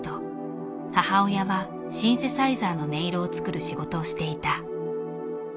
母親はシンセサイザーの音色を作る仕事をしていた。